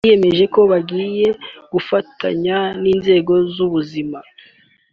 Biyemeje ko bagiye gufatanya n’inzego z’ubuzima